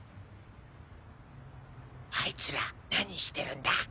あいつら何してるんだ。